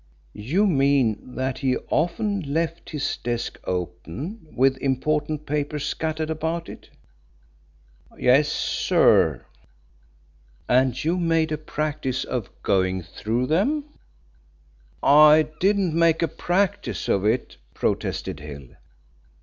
"You mean that he often left his desk open with important papers scattered about it?" "Yes, sir." "And you made a practice of going through them?" "I didn't make a practice of it," protested Hill.